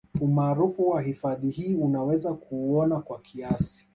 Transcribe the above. Umaarufu wa hifadhi hii unaweza kuuona kwa kiasi